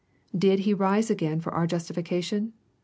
Did He rise again for our justification